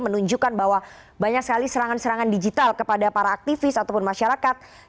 menunjukkan bahwa banyak sekali serangan serangan digital kepada para aktivis ataupun masyarakat